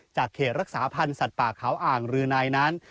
เขตรักษาพันธ์สัตว์ป่าเขาอ่างรือในนั้น